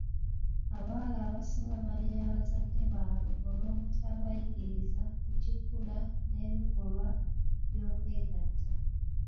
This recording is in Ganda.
Abawala abasinga banenya bazadde baabwe olw'obutabayigiriza ku kikula n'ebikolwa by'okwegatta.